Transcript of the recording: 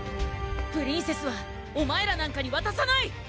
プリンセスはお前らなんかにわたさない！